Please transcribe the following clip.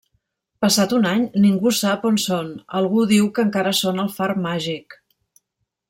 Passat un any ningú sap on són, algú diu que encara són al far màgic.